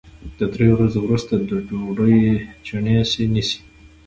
د درې ورځو وروسته ډوډۍ چڼېسه نیسي